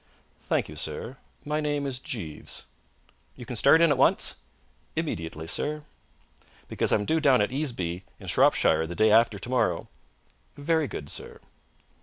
"Thank you, sir. My name is Jeeves." "You can start in at once?" "Immediately, sir." "Because I'm due down at Easeby, in Shropshire, the day after tomorrow." "Very good, sir."